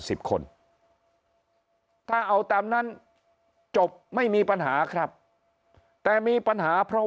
สิบคนถ้าเอาตามนั้นจบไม่มีปัญหาครับแต่มีปัญหาเพราะ